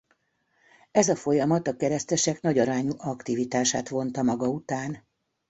Ez a folyamat a keresztesek nagy arányú aktivitását vonta maga után.